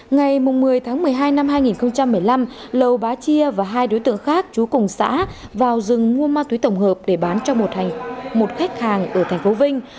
ngày một mươi tháng một mươi hai năm hai nghìn một mươi năm lầu bá chia và hai đối tượng khác chú cùng xã vào rừng mua ma túy tổng hợp để bán cho một khách hàng ở thành phố vinh